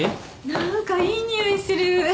何かいい匂いする。